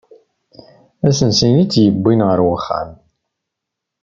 Asensi-nni tt-yewwin ɣer uxxam.